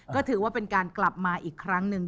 ก็ถือว่าเป็นการกลับมาอีกครั้งหนึ่ง